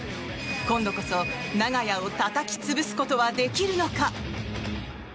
今度こそ、長屋をたたき潰すことはできるのか？